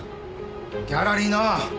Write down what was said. ギャラリーの。